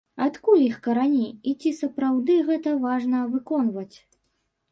Адкуль іх карані, і ці сапраўды гэта важна выконваць?